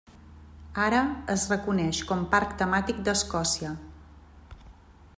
Ara es reconeix com Parc temàtic d'Escòcia.